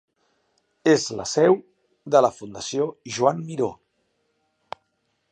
És la seu de la Fundació Joan Miró.